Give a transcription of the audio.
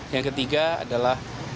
yang ketiga adalah